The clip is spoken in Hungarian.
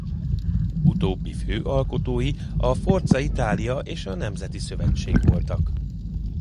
Utóbbi fő alkotói a Forza Italia és a Nemzeti Szövetség voltak.